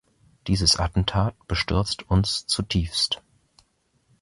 Dieses Attentat bestürzt uns zutiefst.